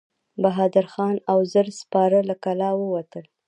بهادر خان او زر سپاره له کلا ور ووتل.